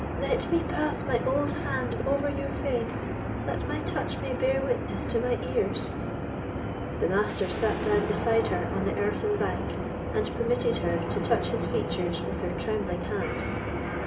Let me pass my old hand over your face, that my touch may bear witness to my ears." The Master sate down beside her on the earthen bank, and permitted her to touch his features with her trembling hand.